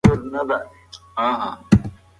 دا دود د ولسواکۍ نښې لري.